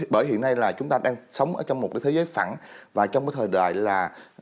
bởi hiện nay là chúng ta đang sống ở trong một cái thế giới phẳng và trong cái thời đại là